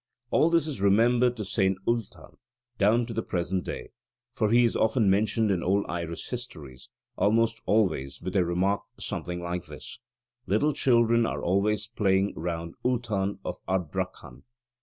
All this is remembered to St. Ultan down to the present day; for he is often mentioned in old Irish histories, almost always with a remark something like this: "Little children are always playing round Ultan of Ardbraccan."